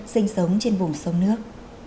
sinh sống trên vùng sông nước